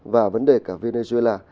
và vấn đề cả venezuela